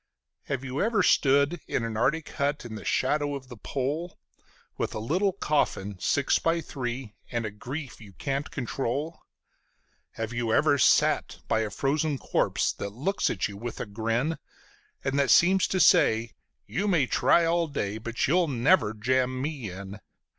Have you ever stood in an Arctic hut in the shadow of the Pole, With a little coffin six by three and a grief you can't control? Have you ever sat by a frozen corpse that looks at you with a grin, And that seems to say: "You may try all day, but you'll never jam me in"?